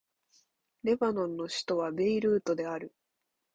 レバノンの首都はベイルートである